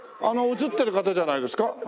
あの映ってる方じゃないですか？